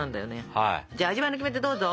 じゃあ味わいのキメテどうぞ！